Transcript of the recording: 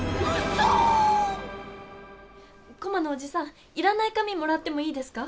コマのおじさんいらない紙もらってもいいですか？